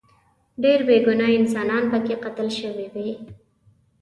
ډیر بې ګناه انسانان به پکې قتل شوي وي.